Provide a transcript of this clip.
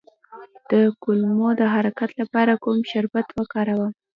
د کولمو د حرکت لپاره کوم شربت وکاروم؟